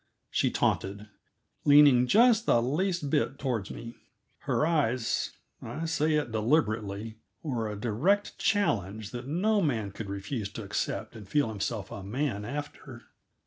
she taunted, leaning just the least bit toward me. Her eyes I say it deliberately were a direct challenge that no man could refuse to accept and feel himself a man after.